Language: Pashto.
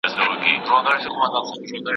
تدریس یو عمل دی خو پوهنه یو حالت دی.